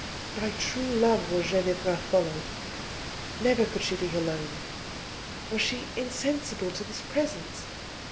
By True Love was Ginevra followed: never could she be alone. Was she insensible to this presence?